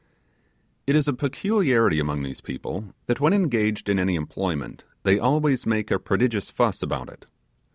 It is a peculiarity among these people, that, when engaged in an employment, they always make a prodigious fuss about it.